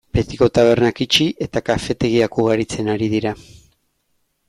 Betiko tabernak itxi eta kafetegiak ugaritzen ari dira.